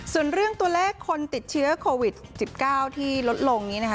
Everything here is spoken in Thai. ส่วนเรื่องตัวเลขคนติดเชื้อโควิด๑๙ที่ลดลงนี้นะคะ